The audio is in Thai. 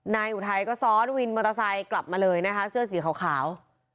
อุทัยก็ซ้อนวินมอเตอร์ไซค์กลับมาเลยนะคะเสื้อสีขาว